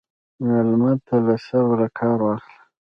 مېلمه ته له صبره کار واخله.